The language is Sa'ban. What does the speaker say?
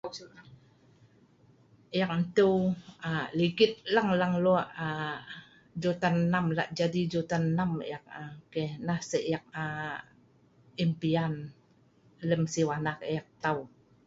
Eek nteu aa ligit lang lang lue' aa jutan enam, la' jadi jutan enam eek. Nah si' eek impian lem sieu anak eek tau.